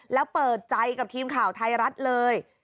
แล้วเปิดใจกับทีมข่าวไทยรัฐเลย